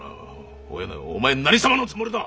およねお前何様のつもりだ！